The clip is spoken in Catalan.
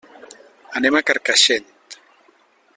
Anem a Carcaixent.